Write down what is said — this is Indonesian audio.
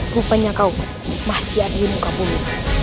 kupanya kau masih ada di muka bumi